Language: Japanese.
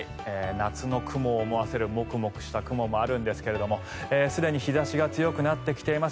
夏の雲を思わせるモクモクした雲もあるんですがすでに日差しが強くなってきています。